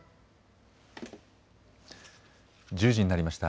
１０時になりました。